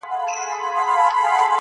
بيا وايم زه، يو داسې بله هم سته,